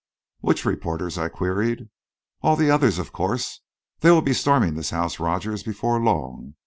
"Which reporters?" I queried. "All the others, of course. They will be storming this house, Rogers, before long.